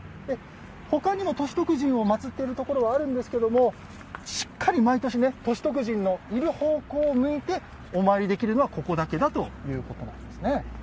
他にも歳徳神を祭っているところはあるんですけれどもしっかり毎年歳徳神のいる方向を向いてお参りできるのはここだけだということなんですね。